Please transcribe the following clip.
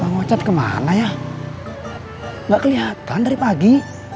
mang ocat kemana ya nggak kelihatan dari pagi